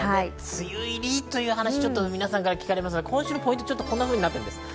梅雨入りっていう話、ちょっと皆さんから聞かれますけど、今週のポイントはこういうふうになっています。